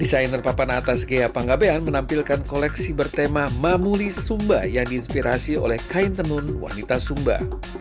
desainer papan atas ghea panggabean menampilkan koleksi bertema mamuli sumba yang diinspirasi oleh kain tenun wanita sumba